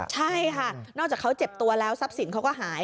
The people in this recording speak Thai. ใช่ค่ะนอกจากเขาเจ็บตัวแล้วทรัพย์สินเขาก็หาย